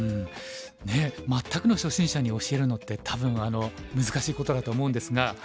ねえ全くの初心者に教えるのって多分難しいことだと思うんですが。